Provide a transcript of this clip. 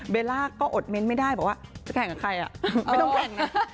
ล่าก็อดเม้นต์ไม่ได้บอกว่าจะแข่งกับใครไม่ต้องแข่งนะ